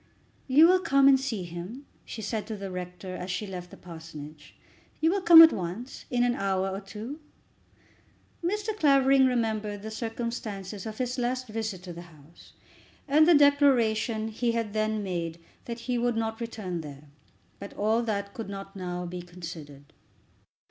"You will come and see him?" she said to the rector, as she left the parsonage. "You will come at once; in an hour or two?" Mr. Clavering remembered the circumstances of his last visit to the house, and the declaration he had then made that he would not return there. But all that could not now be considered.